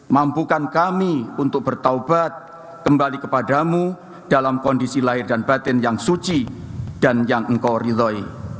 mampukan kami untuk bertaubat kembali kepadamu dalam kondisi lahir dan batin yang suci dan yang engkau ridhoi